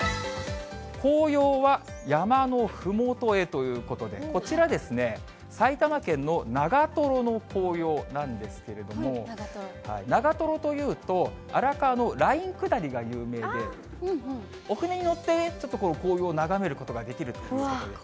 紅葉は山のふもとへということで、こちら、埼玉県の長瀞の紅葉なんですけれども、長瀞というと、荒川のライン下りが有名で、お舟に乗って紅葉眺めることができるということです。